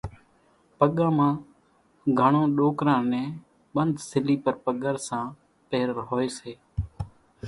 پڳان مان گھڻون ڏوڪران نين ٻنڌ سليپر پڳرسان پيرل هوئيَ سي۔